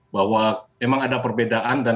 bahwa memang ada perbedaan dan